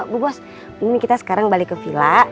bu bos mungkin kita sekarang balik ke villa